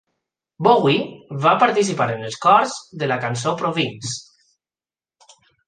Bowie va participar en els cors de la cançó Province.